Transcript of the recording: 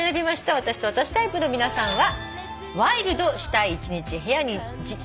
私と私タイプの皆さんは。